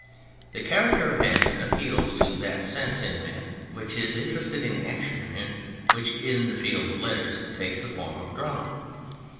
The character of Danton appeals to that sense in man which is interested in action, and which in the field of letters takes the form of drama.